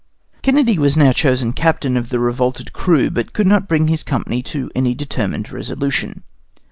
Kennedy was now chosen captain of the revolted crew, but could not bring his company to any determined resolution.